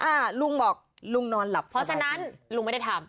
อ่าลุงบอกลุงนอนหลับเพราะฉะนั้นลุงไม่ได้ทำ